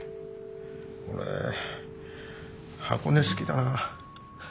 俺箱根好きだな。